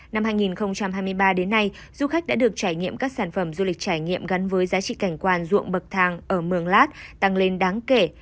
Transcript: năm hai nghìn hai mươi ba đến nay du khách đã được trải nghiệm các sản phẩm du lịch trải nghiệm gắn với giá trị cảnh quan ruộng bậc thang ở mường lát tăng lên đáng kể